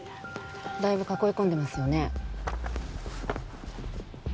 だいぶ囲い込んでますよね